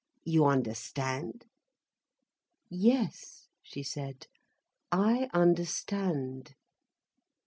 You understand?" "Yes," she said, "I understand."